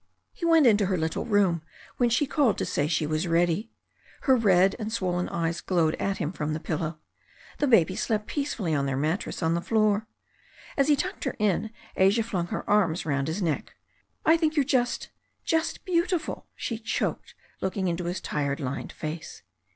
He went into her little room when she called to say she was ready. Her red and swollen eyes glowed at him from the pillow. The babies slept peacefully on their mattress on the floor. As he tucked her in, Asia flung her arms round his neck. "I think you're just — ^just beautiful," she choked, looking into his tired, lined face.